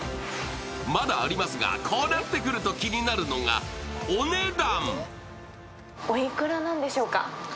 まだありますが、こうなってくると気になるのがお値段。